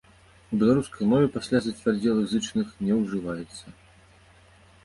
У беларускай мове пасля зацвярдзелых зычных не ўжываецца.